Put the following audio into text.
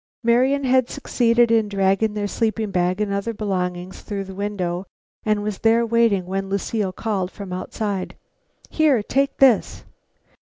Marian had succeeded in dragging their sleeping bag and other belongings through the window and was there waiting when Lucile called from outside: "Here, take this!"